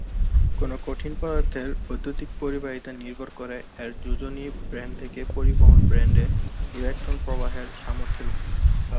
কোনো কঠিন পদার্থের বৈদ্যুতিক পরিবাহিতা নির্ভর করে এর যোজনী ব্যান্ড থেকে পরিবহন ব্যান্ডে ইলেকট্রন প্রবাহের সামর্থ্যের উপর।